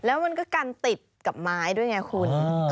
แล้วมันก็กันติดกับไม้ด้วยไงคุณ